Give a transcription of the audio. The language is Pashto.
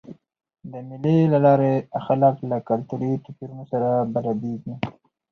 د مېلو له لاري خلک له کلتوري توپیرونو سره بلدیږي.